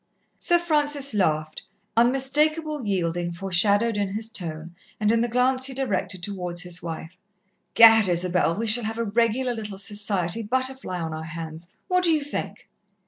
Sir Francis laughed, unmistakable yielding foreshadowed in his tone, and in the glance he directed towards his wife. "'Gad! Isabel, we shall have a regular little society butterfly on our hands; what do you think?"